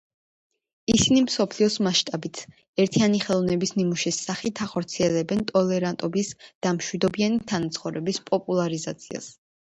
ისინი მსოფლიოს მასშტაბით ერთიანი ხელოვნების ნიმუშის სახით ახორციელებენ ტოლერანტობის და მშვიდობიანი თანაცხოვრების პოპულარიზაციას.